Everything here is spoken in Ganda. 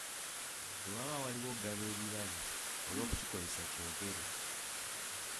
Bwe waba waliwo okugaba ebirabo olw'okukikozesa kyogere.